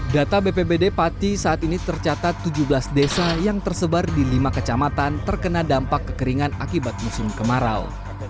data bpbd pati saat ini tercatat tujuh belas desa yang tersebar di lima kecamatan terkena dampak kekeringan akibat musim kemarau